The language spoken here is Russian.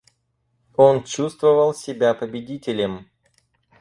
Он чувствовал себя победителем.